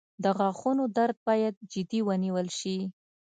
• د غاښونو درد باید جدي ونیول شي.